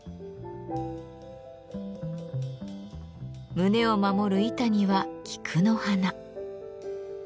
胸を守る板には菊の花。